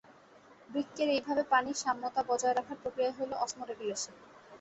বৃক্কের এইভাবে পানির সাম্যতা বজায় রাখার প্রক্রিয়াই হলো অসমোরেগুলেশন।